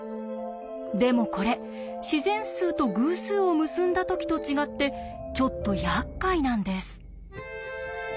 でもこれ自然数と偶数を結んだ時と違ってちょっとやっかいなんです。